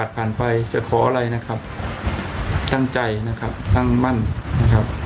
มันผ่านไปด้วยดีนะครับไม่ว่าใครจะพยายามนะครับ